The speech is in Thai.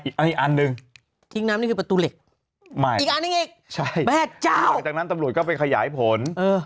อีกอันนึงอีกแบบเจ้าจากนั้นตำรวจก็ไปขยายผล